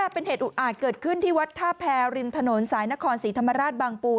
เป็นเหตุอุอาจเกิดขึ้นที่วัดท่าแพรริมถนนสายนครศรีธรรมราชบางปู